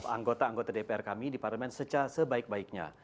anggota anggota dpr kami di parlemen secara sebaik baiknya